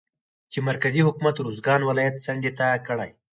چې مرکزي حکومت روزګان ولايت څنډې ته کړى